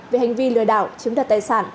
về hành vi lừa đảo chiếm đặt tài sản